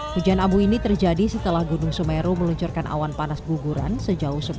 hujan abu ini terjadi setelah gunung semeru meluncurkan awan panas guguran sejauh sepuluh